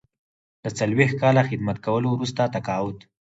د څلویښت کاله خدمت کولو وروسته تقاعد.